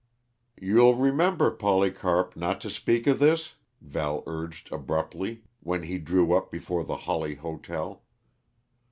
"You'll remember, Polycarp, not to speak of this?" Val urged abruptly when he drew up before the Hawley Hotel.